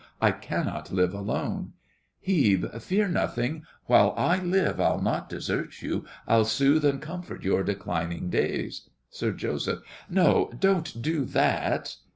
I cannot live alone! HEBE. Fear nothing—while I live I'll not desert you. I'll soothe and comfort your declining days. SIR JOSEPH. No, don't do that.